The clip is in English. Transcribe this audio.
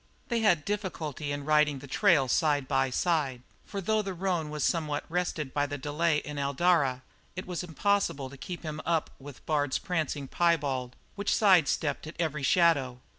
They had difficulty in riding the trail side by side, for though the roan was somewhat rested by the delay at Eldara it was impossible to keep him up with Bard's prancing piebald, which sidestepped at every shadow.